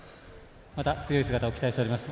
また強い姿を期待しております。